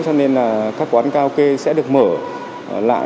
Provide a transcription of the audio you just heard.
cho nên là các quán cao kê sẽ được mở lại